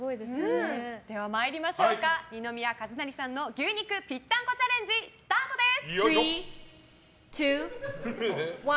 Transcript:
では、二宮和也さんの牛肉ぴったんこチャレンジスタートです！